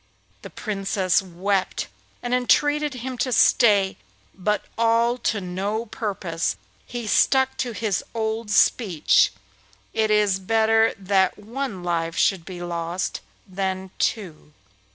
The Princess wept and entreated him to stay, but all to no purpose. He stuck to his old speech, 'It is better that one life should be lost than two.